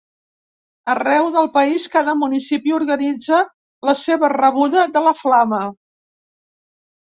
Arreu del país cada municipi organitza la seva rebuda de la flama.